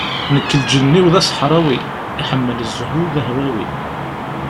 Nekk lǧenn-iw d aṣeḥrawi, iḥemmel zzhu, d ahwawi.